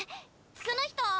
その人を。